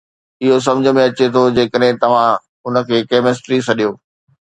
اهو سمجھ ۾ اچي ٿو جيڪڏهن توهان ان کي ڪيمسٽري سڏيو